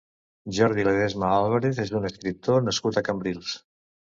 Jordi Ledesma Álvarez és un escriptor nascut a Cambrils.